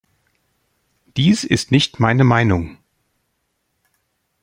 Dies ist nicht meine Meinung.